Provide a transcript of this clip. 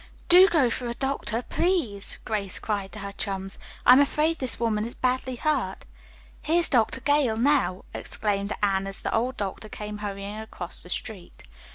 "Do go for a doctor, please," Grace cried to her chums. "I am afraid this woman is badly hurt." "Here's Dr. Gale now," exclaimed Anne as the old doctor came hurrying across the street.